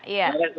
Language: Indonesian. itu semuanya itu